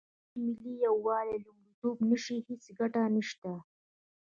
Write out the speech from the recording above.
تر څو ملي یووالی لومړیتوب نه شي، هیڅ ګټه نشته.